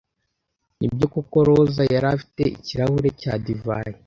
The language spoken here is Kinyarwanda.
Nibyo koko Rosa yari afite ikirahure cya divayi.